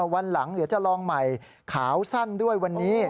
วันหลังเดี๋ยวจะลองใหม่ขาวสั้นด้วยวันนี้